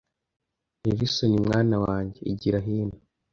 Nelson mwana wanjye igira hino